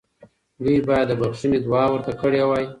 دوی باید د بخښنې دعا ورته کړې وای.